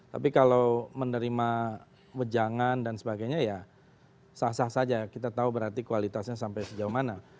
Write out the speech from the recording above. tapi kalau menerima wejangan dan sebagainya ya sah sah saja kita tahu berarti kualitasnya sampai sejauh mana